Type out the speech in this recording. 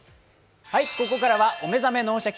ここからは「お目覚め脳シャキ！